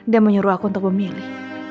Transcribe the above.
menyuruh aku untuk memilih